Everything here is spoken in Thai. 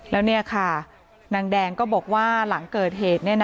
แล้วนี่ค่ะนางแดงก็บอกว่าหลังเกิดเหตุ